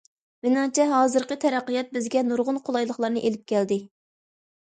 مېنىڭچە ھازىرقى تەرەققىيات بىزگە نۇرغۇن قولايلىقلارنى ئېلىپ كەلدى.